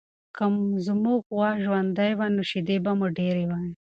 که زموږ غوا ژوندۍ وای، نو شیدې به مو ډېرې وای.